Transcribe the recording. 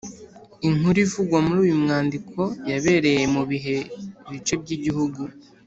inkuru ivugwa muri uyu mwandiko yabereye mu bihe bice by’igihugu?